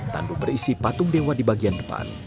tanduk berisi patung dewa di bagian depan